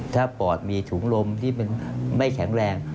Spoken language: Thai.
ถ้าปอดมีถุงลมที่มันไม่แข็งแรง